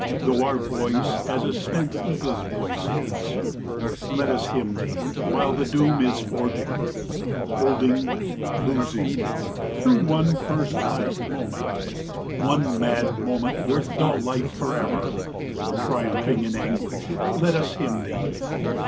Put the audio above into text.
Tho' our voice as a spent eagle's voice is, Let us hymn thee, while the doom is forging; Holding, losing, thro' one first last moment, One mad moment worth dull life forever, Triumphing in anguish, let us hymn thee!